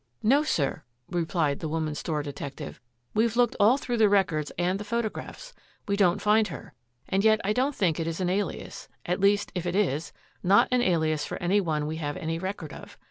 "No, sir," replied the woman store detective. "We've looked all through the records and the photographs. We don't find her. And yet I don't think it is an alias at least, if it is, not an alias for any one we have any record of.